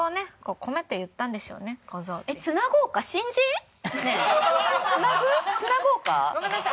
ごめんなさい